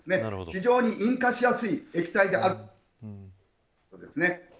非常に引火しやすい液体であるということですね。